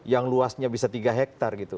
yang luasnya bisa tiga hektar